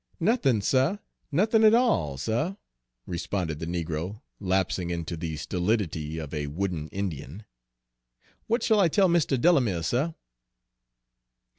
"Nothin', suh, nothin' at all, suh," responded the negro, lapsing into the stolidity of a wooden Indian. "What shall I tell Mr. Delamere, suh?"